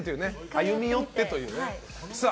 歩み寄ってというね。